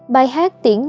bài hát tiễn nhung